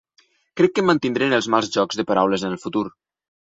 Crec que em mantindré en els mals jocs de paraules en el futur.